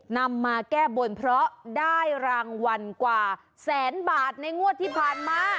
นำมาแก้บนเพราะได้รางวัลกว่าแสนบาทในงวดที่ผ่านมา